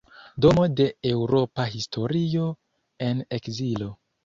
Domo de eŭropa historio en ekzilo.